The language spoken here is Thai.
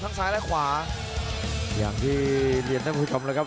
ทั้งซ้ายและขวาอย่างที่เรียนทั้งผู้ชมเลยครับ